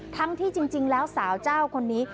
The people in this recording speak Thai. ทั้งที่จริงแล้วสาวเจ้าคนนี้